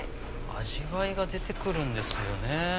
味わいが出て来るんですよね